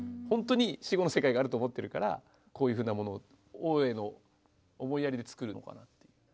本当に死後の世界があると思っているからこういうふうなもの王への思いやりで作るのかなって。